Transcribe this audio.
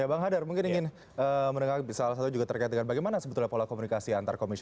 ya bang hadar mungkin ingin mendengar salah satu juga terkait dengan bagaimana sebetulnya pola komunikasi antar komisi satu